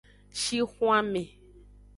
Shixwanme.